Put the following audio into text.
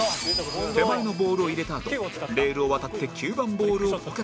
手前のボールを入れたあとレールを渡って９番ボールをポケットに